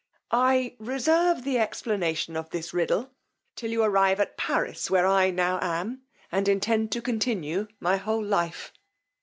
I reserve the explanation of this riddle till you arrive at Paris, where I now am, and intend to continue my whole life.